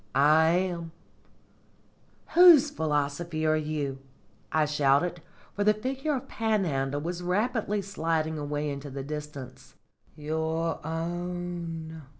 "I am." "Whose philosophy are you?" I shouted, for the figure of Panhandle was rapidly sliding away into the distance. "Your own!"